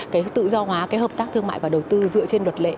cái tự do hóa cái hợp tác thương mại và đầu tư dựa trên luật lệ